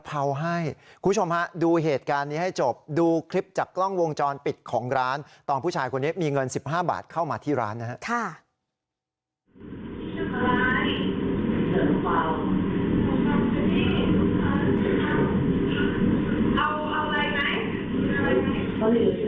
ปิดของร้านตอนผู้ชายคนนี้มีเงิน๑๕บาทเข้ามาที่ร้านนะครับ